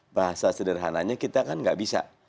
bahasa sederhananya kita kan nggak bisa